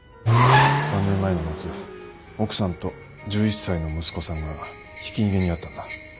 ３年前の夏奥さんと１１歳の息子さんがひき逃げに遭ったんだ。